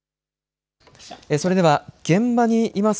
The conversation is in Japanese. それでは現場にいます